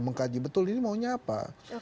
mengkaji betul ini maunya apa